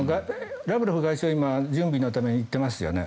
ラブロフ外相は今、準備のために行っていますよね。